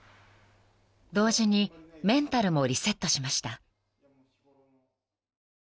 ［同時にメンタルもリセットしました］